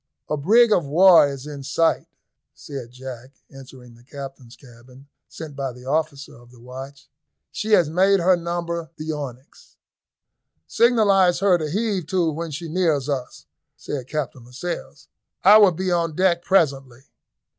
"A brig of war is in sight," said Jack, entering the captain's cabin, sent by the officer of the watch; "she has made her number the Onyx." "Signalise her to heave to when she nears us," said Captain Lascelles. "I will be on deck presently."